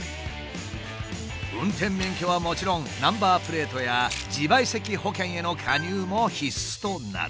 運転免許はもちろんナンバープレートや自賠責保険への加入も必須となる。